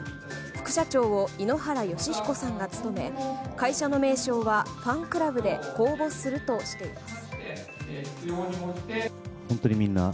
副社長を井ノ原快彦さんが務め会社の名称はファンクラブで公募するとしています。